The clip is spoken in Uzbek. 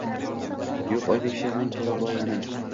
Yo’q Oybek she’rining to’la bayoni.